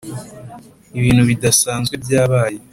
ibintu bidasanzwe byabaye.